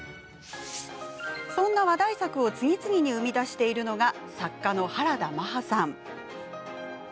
そんな話題作を次々に生み出しているのが作家の原田マハさん。